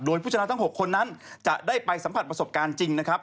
โดยผู้ชนะทั้ง๖คนนั้นจะได้ไปสัมผัสประสบการณ์จริงนะครับ